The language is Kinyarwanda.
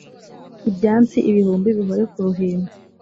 ibyansi ibihumbi bihore ku ruhimbi